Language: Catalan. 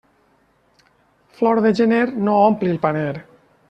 Flor de gener no ompli el paner.